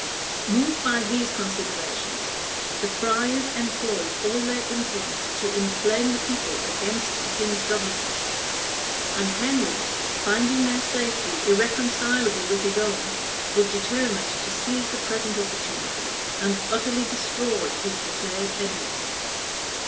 Moved by these considerations, the friars employed all their influence to inflame the people against the king's government; and Henry, finding their safety irreconcilable with his own, was determined to seize the present opportunity, and utterly destroy his declared enemies.